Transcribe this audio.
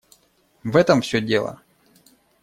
В этом все дело.